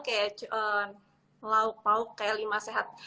kayak lauk pauk kayak lima sehat